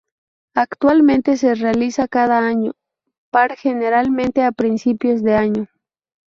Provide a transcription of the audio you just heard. Actualmente se realiza cada año par: generalmente a principios de año.